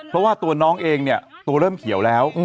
เพราะว่าตัวน้องเองเนี่ยตัวเริ่มเขียวแล้ว